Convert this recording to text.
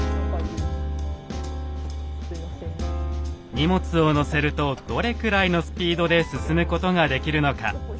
荷物を載せるとどれくらいのスピードで進むことができるのか。